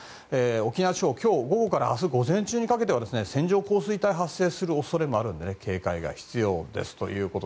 沖縄地方、今日午後から明日の午前中にかけて線状降水帯が発生する恐れもあるので警戒が必要です。